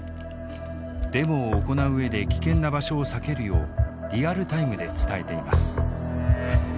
デモを行う上で危険な場所を避けるようリアルタイムで伝えています。